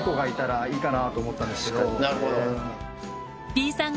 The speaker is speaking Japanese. Ｂさん